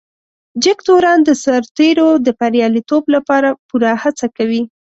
جګتورن د سرتیرو د بريالیتوب لپاره پوره هڅه کوي.